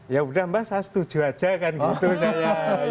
ya udah mbak saya setuju aja kan gitu saya